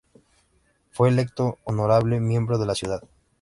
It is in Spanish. Fue electo honorable miembro de la Ciudad.